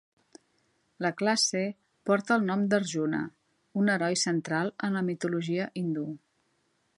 La classe porta el nom d'Arjuna, un heroi central en la mitologia hindú.